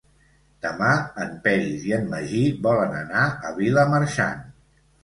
Demà en Peris i en Magí volen anar a Vilamarxant.